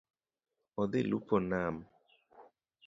Odhi lupo nam.